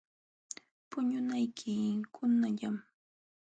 Puñunayki qunullam.